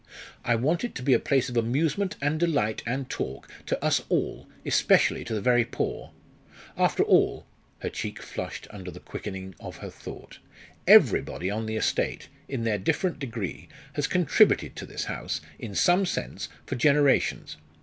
I want it to be a place of amusement and delight and talk to us all especially to the very poor. After all" her cheek flushed under the quickening of her thought "everybody on the estate, in their different degree, has contributed to this house, in some sense, for generations.